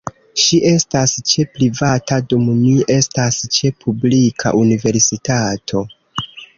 Ŝi estas ĉe privata dum mi estas ĉe publika universitato.